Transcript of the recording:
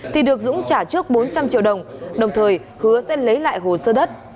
thì được dũng trả trước bốn trăm linh triệu đồng đồng thời hứa sẽ lấy lại hồ sơ đất